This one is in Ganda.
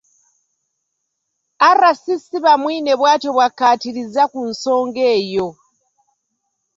RCC Bamwine bw’atyo bw’akkaatirizza ku nsonga eyo.